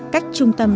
cách trung tâm